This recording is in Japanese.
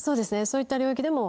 そういった領域でも。